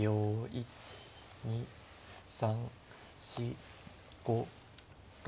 １２３４５６。